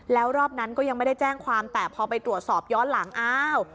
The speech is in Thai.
แล้วรอบนั้นก็ยังไม่ได้แจ้งความแต่พอไปตรวจสอบย้อนหลังอ้าว